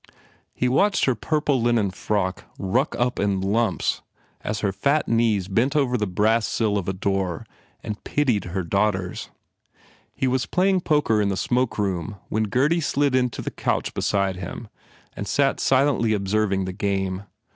He watched her purple linen frock ruck up in lumps as her fat knees bent over the brass sill of a door and pitied her daughters. He was 92 PENALTIES playing poker in the smoke room when Gurdy slid into the couch beside him and sat silently observing the game.